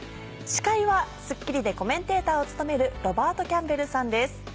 司会は『スッキリ』でコメンテーターを務めるロバート・キャンベルさんです。